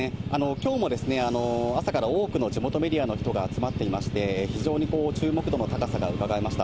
きょうもですね、朝から多くの地元メディアの人が集まっていまして、非常にこう、注目度の高さがうかがえました。